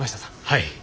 はい。